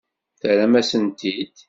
Terram-asent-t-id?